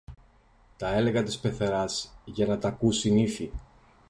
Τα λεγα της πεθεράς, για να τ' ακούσει η νύφη.